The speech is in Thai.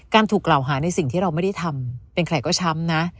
ถูกกล่าวหาในสิ่งที่เราไม่ได้ทำเป็นใครก็ช้ำนะ